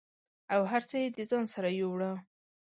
او هر څه یې د ځان سره یووړه